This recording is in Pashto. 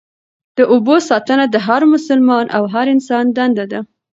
د اوبو ساتنه د هر مسلمان او هر انسان دنده ده.